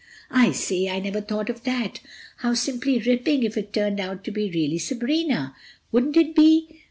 "I say, I never thought of that. How simply ripping if it turned out to be really Sabrina—wouldn't it be?